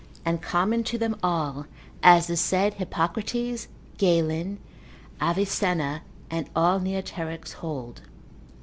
and common to them all, as the said Hippocrates, Galen, Avicenna, and all Neoterics hold.